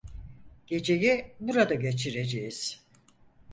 Geceyi burada geçireceğiz.